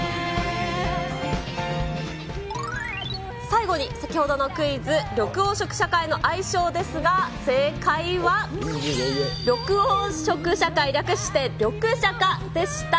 最後に先ほどのクイズ、緑黄色社会の愛称ですが、正解は、緑黄色社会、略してリョクシャカでした。